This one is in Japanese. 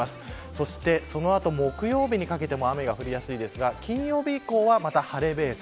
そして、その後木曜日にかけても雨が降りやすいですが金曜日以降はまた晴れベース。